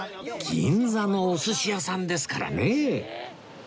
銀座のお寿司屋さんですからね